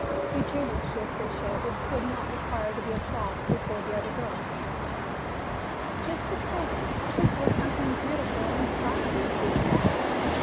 Eugenia, she appreciated, would not require to be absolved before the other girls. "Just the same, I think there was something beautiful and inspiring in Gene's act.